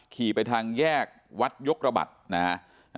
ขี่ไปทางแยกวัดยกระบัดนะฮะ